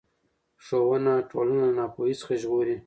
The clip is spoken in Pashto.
ښوونه ټولنه له ناپوهۍ څخه ژغوري